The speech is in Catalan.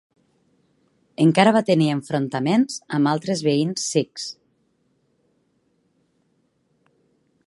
Encara va tenir enfrontaments amb altres veïns sikhs.